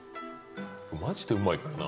マジでうまいからな。